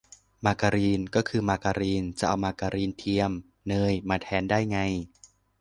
มาการีน ก็คือมาการีน จะเอามาการีนเทียม เนย มาแทนได้ไง